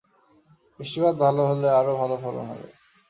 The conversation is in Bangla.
বৃষ্টিপাত ভালো হলে, আরও ভালো ফলন হবে।